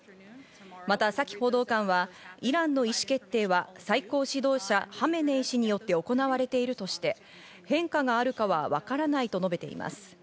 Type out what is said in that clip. またサキ報道官はイランの意思決定は、最高指導者ハメネイ師によって行われているとして、変化があるかはわからないと述べています。